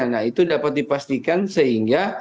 nah itu dapat dipastikan sehingga